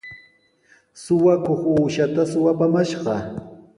Suqakuq uushaata suqapumashqa.